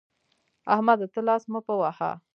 احمده! ته لاس مه په وهه.